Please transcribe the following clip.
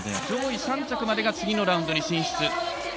上位３着までが次のラウンドに進出。